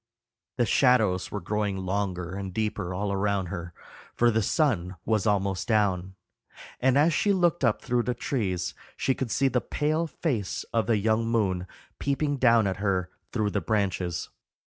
The shadows were growing longer and deeper all around her, for the sun was almost down, and as she looked up through the trees she could see the pale face of the young moon peeping down at her through the branches.